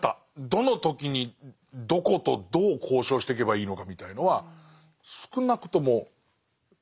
どの時にどことどう交渉していけばいいのかみたいのは少なくとも尊氏は結果出してますもんね。